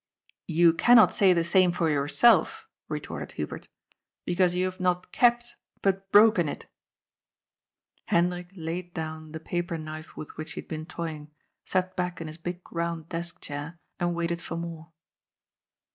" You cannot say the same for yourself," retorted Hu bert, " because you have not kept, but broken it." Hendrik laid down the paper knife with which he had been toying, sat back in his big round desk chair, and waited for more.